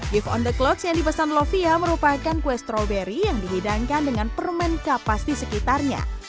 gift on the klox yang dipesan lovia merupakan kue stroberi yang dihidangkan dengan permen kapas di sekitarnya